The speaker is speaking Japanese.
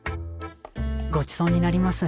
ごちそうになります。